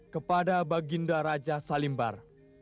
kepada baginda raja salimbar